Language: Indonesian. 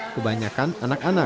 kebanyakan di jalan parit bugis